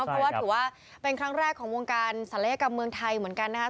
เพราะว่าถือว่าเป็นครั้งแรกของวงการศัลยกรรมเมืองไทยเหมือนกันนะครับ